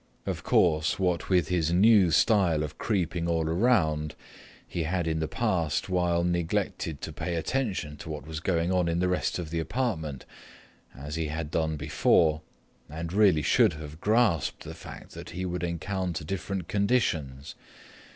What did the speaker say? Of course, what with his new style of creeping all around, he had in the past while neglected to pay attention to what was going on in the rest of the apartment, as he had done before, and really should have grasped the fact that he would encounter different conditions.